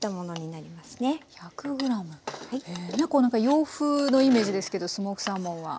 洋風のイメージですけどスモークサーモンは。